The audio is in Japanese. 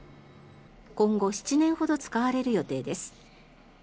今後７年ほど使われる予定です。